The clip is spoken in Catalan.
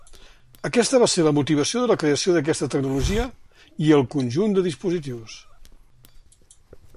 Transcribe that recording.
Aquesta va ser la motivació de la creació d’aquesta tecnologia i el conjunt de dispositius.